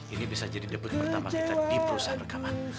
ini bisa jadi debut pertama kita di perusahaan rekaman